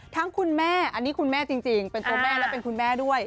คุณแม่อันนี้คุณแม่จริงเป็นตัวแม่และเป็นคุณแม่ด้วย